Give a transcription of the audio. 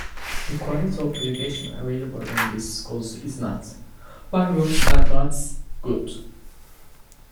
The quality of education available in these schools is not, by world standards, good.